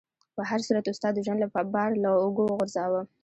په هر صورت استاد د ژوند بار له اوږو وغورځاوه.